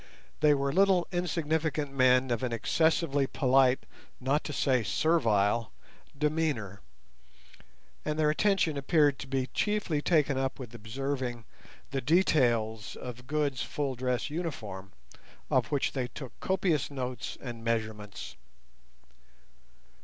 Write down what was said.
They were little insignificant men of an excessively polite, not to say servile, demeanour; and their attention appeared to be chiefly taken up with observing the details of Good's full dress uniform, of which they took copious notes and measurements.